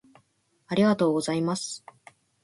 ありがとうございます